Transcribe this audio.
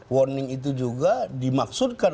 warning itu juga dimaksudkan